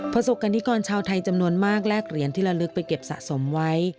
ประสบกรณิกรชาวไทยจำนวนมากแลกเหรียญที่ละลึกไปเก็บสะสมไว้